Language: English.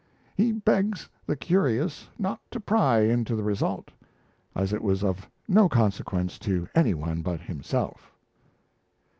He begs the curious not to pry into the result as it was of no consequence to any one but himself!